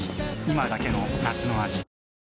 今だけの夏の味